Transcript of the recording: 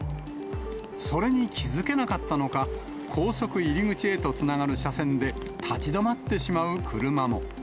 それに気づけなかったのか、高速入り口へとつながる車線で立ち止まってしまう車も。